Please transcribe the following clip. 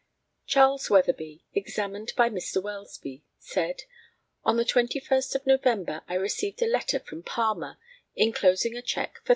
CHARLES WEATHERBY, examined by Mr. WELSBY, said: On the 21st of November I received a letter from Palmer, enclosing a cheque for £350.